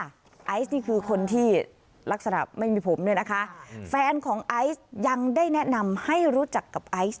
ไอซ์นี่คือคนที่ลักษณะไม่มีผมเนี่ยนะคะแฟนของไอซ์ยังได้แนะนำให้รู้จักกับไอซ์